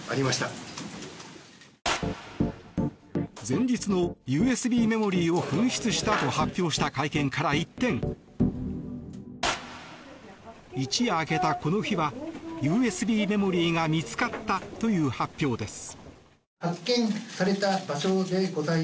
前日の、ＵＳＢメモリーを紛失したと発表した会見から一転一夜明けた、この日はＵＳＢメモリーが見つかったという発表です。